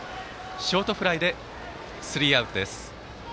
ショートフライでスリーアウト。